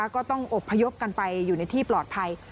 ก็ต้องอบพยพกันไปอยู่ในที่ปลอดภัย